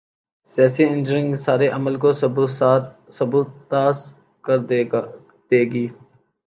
'سیاسی انجینئرنگ‘ اس سارے عمل کو سبوتاژ کر دے گی۔